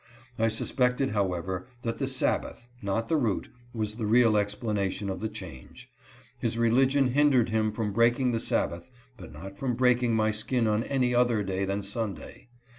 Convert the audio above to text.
I suspected, however, that the Sabbath, not the root, was the real explanation of the change. His religion hindered him from breaking the Sabbath, but not from breaking my skin on any other day than Sunday.